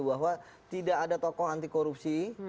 bahwa tidak ada tokoh anti korupsi